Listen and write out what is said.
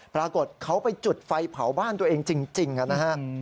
ปรากฏเขาไปจุดไฟเผาบ้านตัวเองจริงนะฮะ